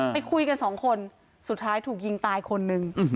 ไปคุยกันสองคนสุดท้ายถูกยิงตายคนนึง